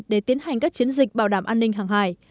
để tiến hành các chiến dịch bảo đảm an ninh hàng hải